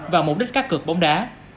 vào mục đích cá cược bóng đá